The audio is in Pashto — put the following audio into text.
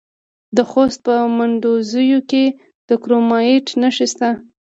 د خوست په مندوزیو کې د کرومایټ نښې شته.